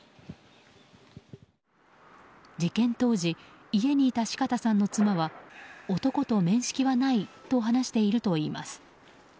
事件当時家にいた四方さんの妻は男と面識はないと話しているといいます。